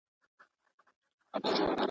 ایا د تیو د سرطان واکسین به ټولو ته وړاندې شي؟